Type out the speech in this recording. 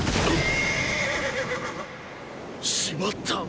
しまった！